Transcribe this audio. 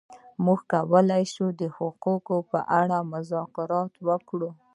موږ کولای شو د حقوقو په اړه مذاکره وکړو.